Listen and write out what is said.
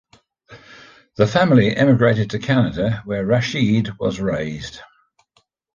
The family emigrated to Canada where Rashid was raised.